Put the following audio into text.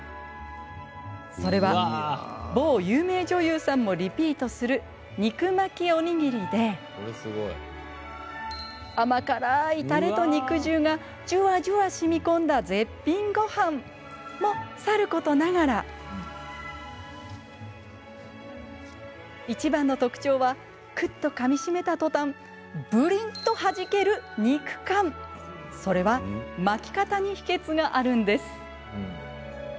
それは、某有名女優さんもリピートする肉巻きおにぎりで甘辛いたれと肉汁がじゅわじゅわ、しみこんだ絶品ごはんも、さることながらいちばんの特徴はくっと、かみしめたとたんブリンッとはじける肉感それは巻き方に秘けつがあるんです。